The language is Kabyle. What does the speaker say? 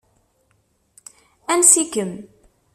Ansi-kem.